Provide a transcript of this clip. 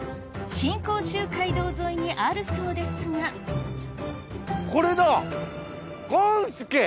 新甲州街道沿いにあるそうですがこれだ「ごん助」。